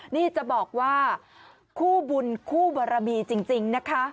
นี่จะบอกว่าคู่บุญคู่บรมีจริงนะคะ